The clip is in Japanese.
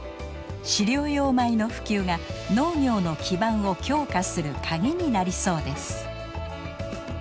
飼料用米の普及が農業の基盤を強化するカギになりそうです。